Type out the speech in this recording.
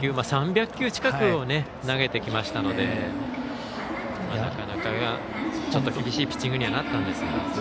３００球近くを投げてきましたのでなかなか、厳しいピッチングにはなったんですが。